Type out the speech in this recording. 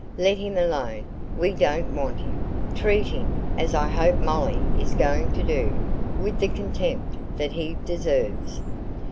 Let him alone; we don't want him. Treat him as I hope Molly is going to do with the contempt that he deserves."